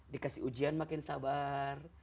dikasih ujian makin sabar